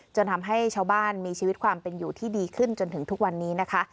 จนทำให้ชาวบ้านมีชีวิตความเป็นอยู่ที่ดีขึ้นจนถึงทุกวันนี้นะคะ